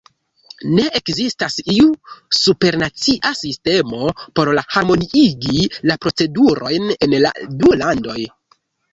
Ne ekzistas iu supernacia sistemo por harmoniigi la procedurojn en la du landoj.